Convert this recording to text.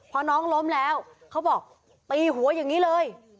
พอน้องล้มแล้วเขาบอกตีหัวอย่างนี้เลย